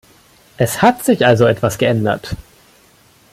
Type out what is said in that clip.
Es hat sich also etwas geändert.